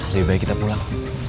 lebih baik kita pulang